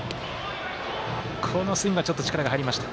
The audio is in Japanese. このスイングは力が入りました。